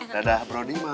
dadah bro diman